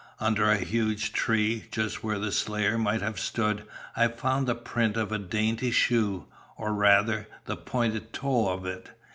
Under a huge tree, just where the slayer might have stood, I found the print of a dainty shoe, or rather, the pointed toe of it.